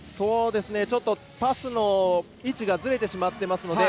ちょっと、パスの位置がずれてしまっていますので。